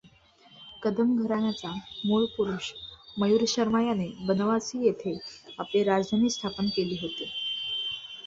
कदंब घराण्याचा मूळ पुरुष मयूरशर्मा याने बनावासी येथे आपली राजधानी स्थापन केली होती.